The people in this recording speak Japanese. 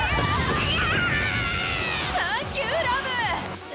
サンキューラム！